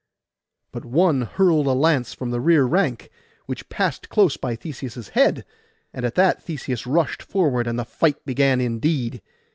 But one hurled a lance from the rear rank, which past close by Theseus' head; and at that Theseus rushed forward, and the fight began indeed.